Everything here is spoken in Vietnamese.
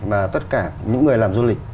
mà tất cả những người làm du lịch